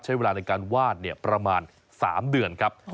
ใช้เวลาในการวาดประมาณ๓เดือนครับ